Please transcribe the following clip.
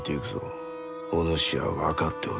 お主は分かっておろう？